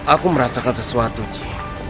aku merasakan sesuatu aji